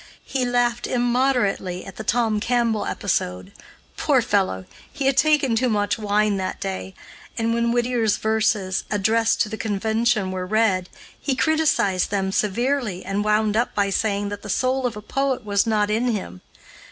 He laughed immoderately at the Tom Campbell episode. Poor fellow! he had taken too much wine that day, and when Whittier's verses, addressed to the convention, were read, he criticised them severely, and wound up by saying that the soul of a poet was not in him.